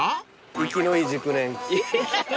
生きのいい熟年。